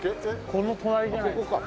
この隣じゃないですか？